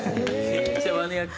めっちゃマニアック。